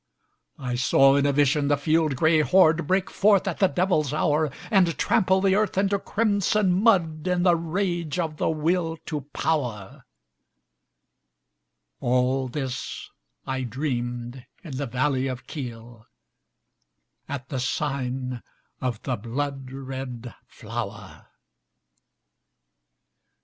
I saw in a vision the field gray horde Break forth at the devil's hour, And trample the earth into crimson mud In the rage of the Will to Power, All this I dreamed in the valley of Kyll, At the sign of the blood red flower.